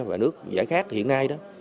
và nước giải khác hiện nay đó